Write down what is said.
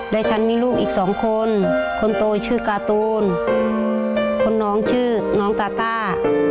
และฉันมีลูกอีกสองคนคนโตชื่อการ์ตูนคนน้องชื่อน้องตาต้า